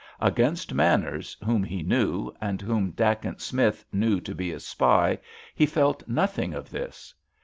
Against Manners, whom he knew, and whom Dacent Smith knew to be a spy, he felt nothing of this.